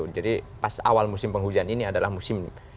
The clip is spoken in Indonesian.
jadi pas awal musim penghujan ini adalah musim